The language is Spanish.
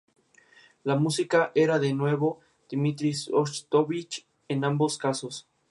Este trabajo podía demorar varios días dependiendo del cálculo a realizar.